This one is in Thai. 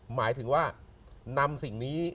หมายถึงว่านำสิ่งนี้